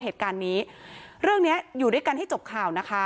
เหตุการณ์นี้เรื่องเนี้ยอยู่ด้วยกันให้จบข่าวนะคะ